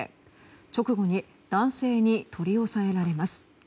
直後に男性に取り押さえられます。